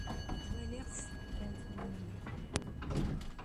Ttwaliɣ-tt d tazedgant n nneyya.